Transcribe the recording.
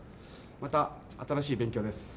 また新しい勉強です。